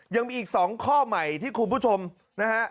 ยังมีอีก๒ข้อใหม่ที่คุณผู้ชมนะฮะ